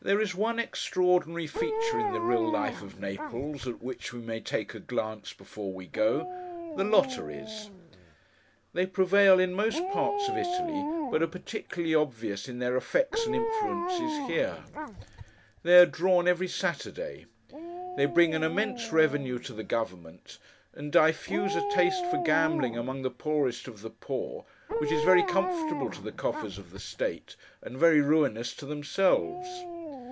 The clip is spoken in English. There is one extraordinary feature in the real life of Naples, at which we may take a glance before we go—the Lotteries. They prevail in most parts of Italy, but are particularly obvious, in their effects and influences, here. They are drawn every Saturday. They bring an immense revenue to the Government; and diffuse a taste for gambling among the poorest of the poor, which is very comfortable to the coffers of the State, and very ruinous to themselves.